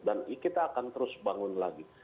dan kita akan terus bangun lagi